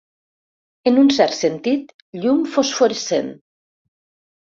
En un cert sentit, llum fosforescent.